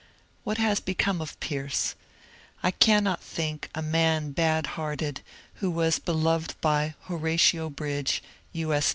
What has become of Pierce ? I cannot think a man bad hearted who was beloved by Horatio Bridge, U. S.